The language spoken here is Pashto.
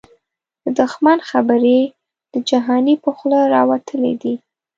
د دښمن خبري د جهانی په خوله راوتلی دې